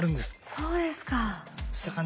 そうですか。